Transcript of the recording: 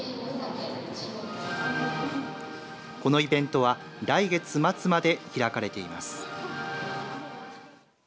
このイベントは来月末まで開かれています。